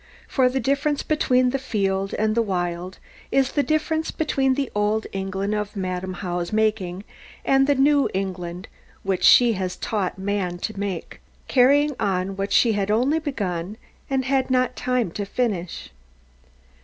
For the difference between the Field and the Wild is the difference between the old England of Madam How's making, and the new England which she has taught man to make, carrying on what she had only begun and had not time to finish.